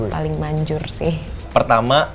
paling manjur sih pertama